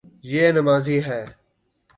یے نمازی ہے